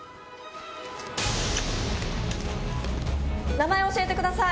名前教えてください！